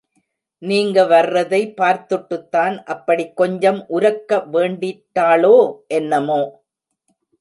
நீங்க வர்றதை பார்த்துட்டுதான் அப்படிக் கொஞ்சம் உரக்க வேண்டிட்டாளோ என்னமோ?